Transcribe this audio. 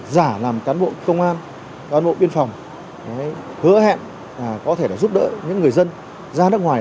giả làm cán bộ công an cán bộ biên phòng hứa hẹn có thể là giúp đỡ những người dân ra nước ngoài